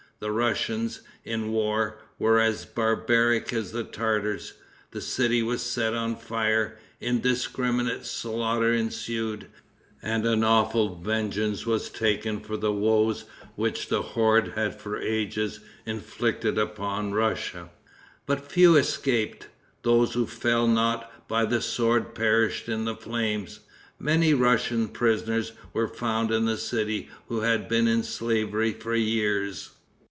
The Russians, in war, were as barbaric as the Tartars. The city was set on fire; indiscriminate slaughter ensued, and awful vengeance was taken for the woes which the horde had for ages inflicted upon Russia. But few escaped. Those who fell not by the sword perished in the flames. Many Russian prisoners were found in the city who had been in slavery for years.